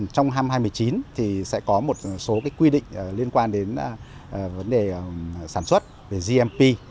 trong năm hai nghìn một mươi chín thì sẽ có một số quy định liên quan đến vấn đề sản xuất về gmp